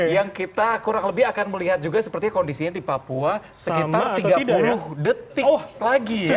yang kita kurang lebih akan melihat juga sepertinya kondisinya di papua sekitar tiga puluh detik lagi ya